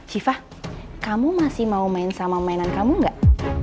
siva kamu masih mau main sama mainan kamu gak